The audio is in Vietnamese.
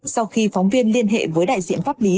sau khi phóng viên liên hệ với đại diện pháp lý